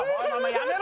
やめろ